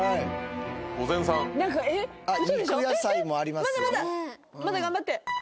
まだ頑張って。